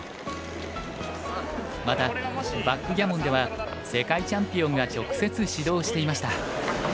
またバックギャモンでは世界チャンピオンが直接指導していました。